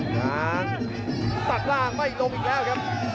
งานตัดล่างไม่ลงอีกแล้วครับ